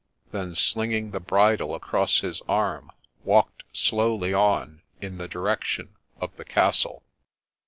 ' then slinging the bridle across his arm, walked slowly on in the direction of the castle.